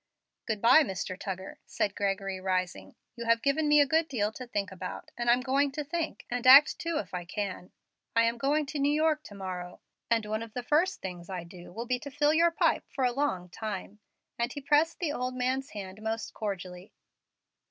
"Good by, Mr. Tuggar," said Gregory, rising; "you have given me a good deal to think about, and I'm going to think, and act, too, if I can. I am going to New York to morrow, and one of the first things I do will be to fill your pipe for a long time;" and he pressed the old man's hand most cordially.